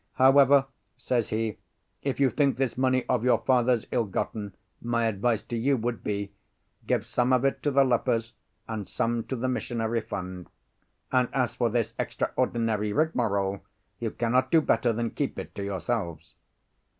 "However," says he, "if you think this money of your father's ill gotten, my advice to you would be, give some of it to the lepers and some to the missionary fund. And as for this extraordinary rigmarole, you cannot do better than keep it to yourselves."